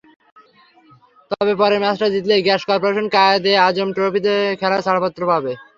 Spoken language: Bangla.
তবে পরের ম্যাচটা জিতলেই গ্যাস করপোরেশন কায়েদ-এ-আজম ট্রফিতে খেলার ছাড়পত্র পাবে।